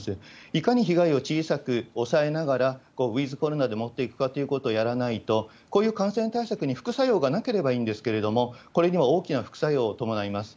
いかに被害を小さく抑えながら、ウィズコロナで持っていくかということをやらないと、こういう感染対策に副作用がなければいいんですけれども、これには大きな副作用を伴います。